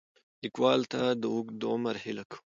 لیکوال ته د اوږد عمر هیله کوو.